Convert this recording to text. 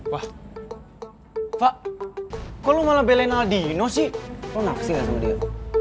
wah fak kalo lo malah belain aladino sih lo naksir gak sama dia